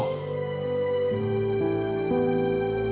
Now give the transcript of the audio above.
ada yang ini buat kita